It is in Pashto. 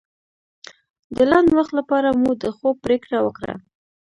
د لنډ وخت لپاره مو د خوب پرېکړه وکړه.